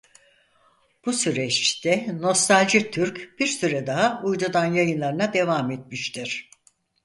Bu süreçte Nostalji Türk bir süre daha uydudan yayınlarına devam etmiştir.